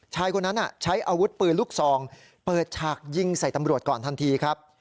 ชายคนนั้นใช้อาวุธปืนลูกซองเปิดฉากยิงใส่ตำรวจก่อนทันทีครับ